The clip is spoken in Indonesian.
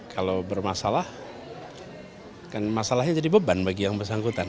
kalau bermasalah kan masalahnya jadi beban bagi yang bersangkutan